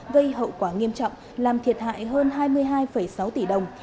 gây hậu quả nghiêm trọng làm thiệt hại hơn hai mươi hai sáu tỷ đồng